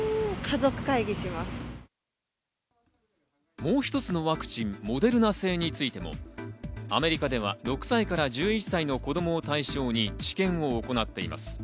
もう一つのワクチン、モデルナ製についてもアメリカでは６歳から１１歳の子供を対象に治験を行っています。